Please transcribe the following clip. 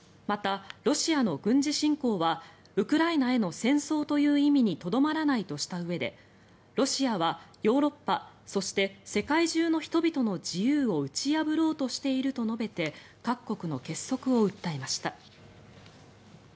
また、ロシアの軍事侵攻はウクライナへの戦争という意味にとどまらないとしたうえでロシアはヨーロッパそして、世界中の人々の自由を打ち破ろうとしていると述べて各国の結束を訴えました。